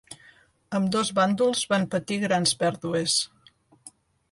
Ambdós bàndols van patir grans pèrdues.